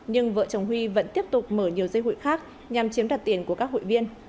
nhưng vợ chồng huy vẫn tiếp tục mở nhiều dây hụi khác nhằm chiếm đặt tiền của các hội viên